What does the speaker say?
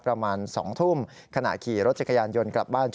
ประมาณ๒ทุ่มขณะขี่รถจักรยานยนต์กลับบ้าน